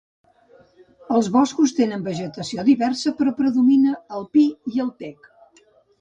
Els boscos tenen vegetació diversa però predomina el pi i el tec.